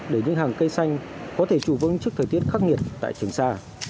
để những hàng cây xanh có thể chủ vững trước thời tiết khắc nghiệt tại trường xa